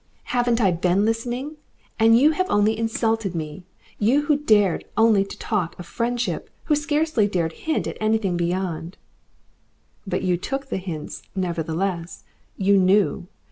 "Haven't I been listening? And you have only insulted me. You who dared only to talk of friendship, who scarcely dared hint at anything beyond." "But you took the hints, nevertheless. You knew.